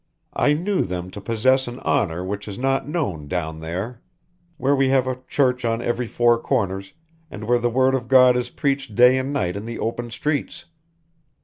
I knew them to possess an honor which is not known down there, where we have a church on every four corners, and where the Word of God is preached day and night on the open streets.